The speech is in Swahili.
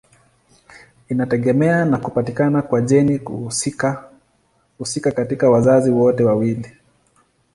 Inategemea na kupatikana kwa jeni husika katika wazazi wote wawili.